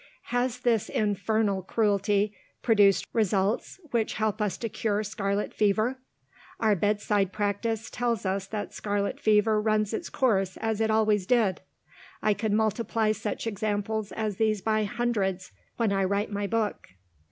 Has this infernal cruelty produced results which help us to cure scarlet fever? Our bedside practice tells us that scarlet fever runs it course as it always did. I can multiply such examples as these by hundreds when I write my book.